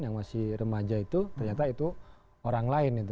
yang masih remaja itu ternyata itu orang lain